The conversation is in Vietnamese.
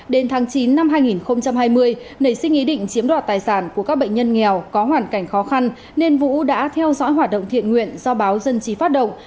đến tháng chín năm hai nghìn hai mươi nảy sinh ý định chiếm đoạt tài sản của các bệnh nhân nghèo có hoàn cảnh khó khăn nên vũ đã theo dõi hoạt động thiện nguyện do báo dân chí phát động